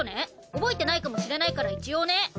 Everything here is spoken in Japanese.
覚えてないかもしれないから一応ね！